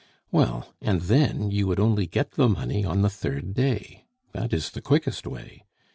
Well; and then you would only get the money on the third day. That is the quickest way.